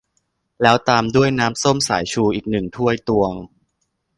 แล้วตามด้วยน้ำส้มสายชูอีกหนึ่งถ้วยตวง